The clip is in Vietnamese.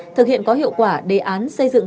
thực hiện có hiệu quả đề án xây dựng